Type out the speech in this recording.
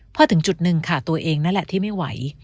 พอถึงจุดหนึ่งค่ะตัวเองนั่นแหละที่ไม่ไหว